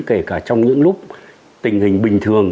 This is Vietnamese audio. kể cả trong những lúc tình hình bình thường